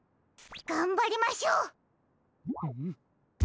がんばりましょう！フム。